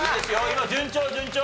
今順調順調。